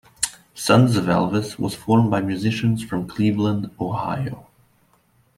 Sons of Elvis was formed by musicians from Cleveland, Ohio.